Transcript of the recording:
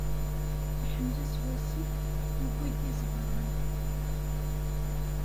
Iḥmel-s wasif, yuwi-d izeɣran.